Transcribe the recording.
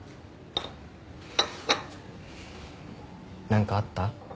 何かあった？